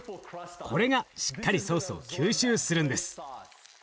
これがしっかりソースを吸収するんです。